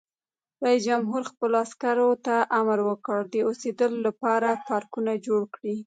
رئیس جمهور خپلو عسکرو ته امر وکړ؛ د اوسېدو لپاره بارکونه جوړ کړئ!